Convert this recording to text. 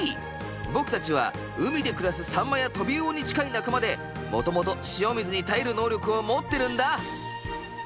僕たちは海で暮らすサンマやトビウオに近い仲間でもともと塩水に耐える能力を持ってるんだ。